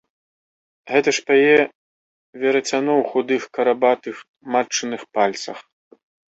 Гэта ж пяе верацяно ў худых карабатых матчыных пальцах.